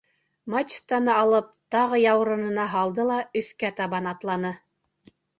Мачтаны алып, тағы яурынына һалды ла өҫкә табан атланы.